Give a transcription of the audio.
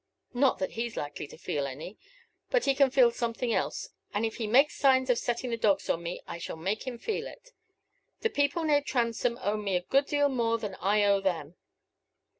Not that he's likely to feel any but he can feel something else; and if he makes signs of setting the dogs on me, I shall make him feel it. The people named Transome owe me a good deal more than I owe them."